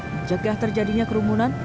menjegah terjadinya kerumunan